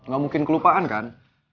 ga mungkin kelupaan kan